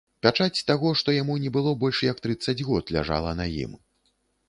Пячаць таго, што яму не было больш як трыццаць год, ляжала на ім.